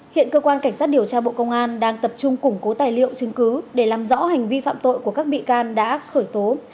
hiện cơ quan cảnh sát điều tra bộ công an đang tập trung củng cố tài liệu chứng cứ để làm rõ hành vi phạm tội của các bị can đã khởi tố